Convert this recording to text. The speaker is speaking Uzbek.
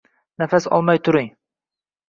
Nafas olmay turing.